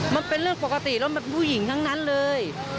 มันเป็นเรื่องปกติแล้วมันเป็นผู้หญิงทั้งนั้นเลย